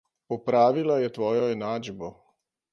Popravila je tvojo enačbo.